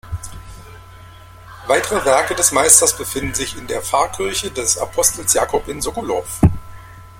Weitere Werke des Meisters befinden sich in der Pfarrkirche des "Apostels Jakob" in Sokolov.